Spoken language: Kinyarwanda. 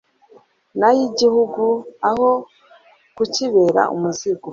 n'ay'igihugu aho kukibera umuzigo